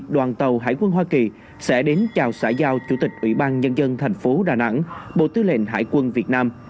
đoàn tàu hải quân hoa kỳ sẽ đến chào xã giao chủ tịch ủy ban nhân dân thành phố đà nẵng bộ tư lệnh hải quân việt nam